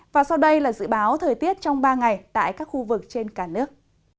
và sau đây là dự báo thời tiết trong ba ngày tại các khu vực trên cả nước